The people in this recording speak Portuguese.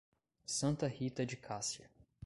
Santa Rita de Cássia